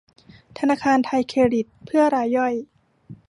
ธนาคารไทยเครดิตเพื่อรายย่อย